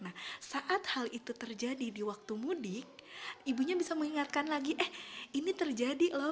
nah saat hal itu terjadi di waktu mudik ibunya bisa mengingatkan lagi eh ini terjadi loh